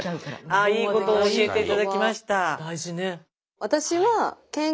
あいいことを教えて頂きました。